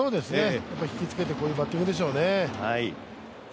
引きつけて、こういうバッティングでしょうね。